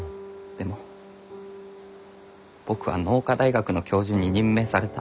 でも僕は農科大学の教授に任命された。